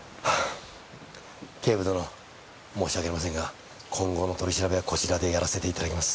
警部殿申し訳ありませんが今後の取り調べはこちらでやらせていただきます。